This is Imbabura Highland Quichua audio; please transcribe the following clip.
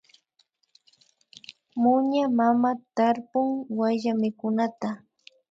Muña mama tarpun wayllamikunata